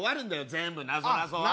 全部なぞなぞは。